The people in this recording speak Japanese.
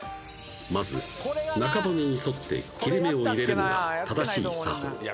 まず中骨に沿って切れ目を入れるのが正しい作法いや